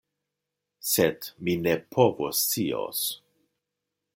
Sed mi ne povoscios.